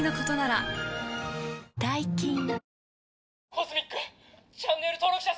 「ＣＯＳＭＩＣチャンネル登録者